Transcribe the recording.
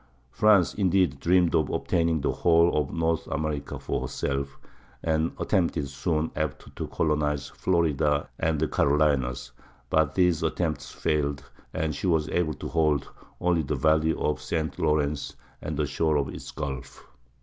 France, indeed, dreamed of obtaining the whole of North America for herself, and attempted soon after to colonize Florida and the Carolinas; but these attempts failed, and she was able to hold only the valley of the St. Lawrence and the shore of its gulf.